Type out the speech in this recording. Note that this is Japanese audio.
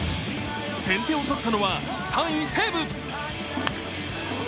先手を取ったのは３位・西武。